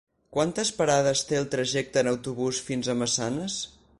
Quantes parades té el trajecte en autobús fins a Massanes?